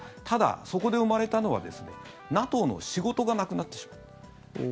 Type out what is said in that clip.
ただ、そこで生まれたのはＮＡＴＯの仕事がなくなってしまった。